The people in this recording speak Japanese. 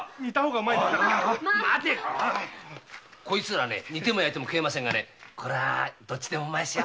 こいつら煮ても焼いても食えませんがねこれはどっちでもうまいですよ！